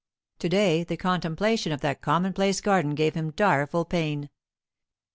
To day the contemplation of that commonplace garden gave him direful pain.